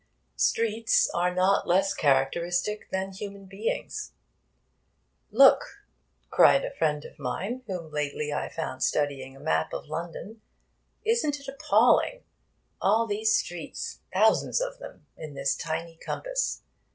Streets are not less characteristic than human beings. 'Look!' cried a friend of mine, whom lately I found studying a map of London, 'isn't it appalling? All these streets thousands of them in this tiny compass!